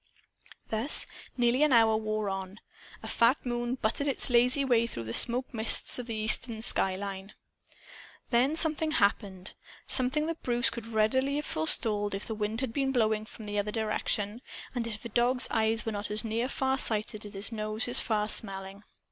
Thus nearly an hour wore on. A fat moon butted its lazy way through the smoke mists of the eastern skyline. Then something happened something that Bruce could readily have forestalled if the wind had been blowing from the other direction, and if a dog's eyes were not as nearsighted as his nose is farsmelling.